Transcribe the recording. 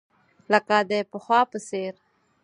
لکه د پخوا په څېر.